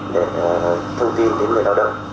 để thông tin đến người lao động